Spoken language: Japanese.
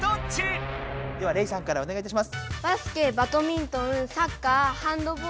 ではレイさんからおねがいいたします。